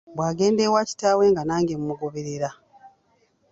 Bw'agenda ewa kitaawe nga nange mugoberera.